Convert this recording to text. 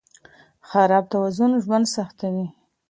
خراب توازن ژوند سختوي.